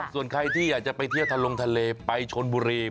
ส่วนใครที่อยากจะไปเที่ยวทะลงทะเลไปชนบุรี